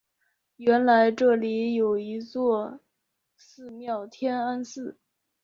原来这里有一座寺庙天安寺。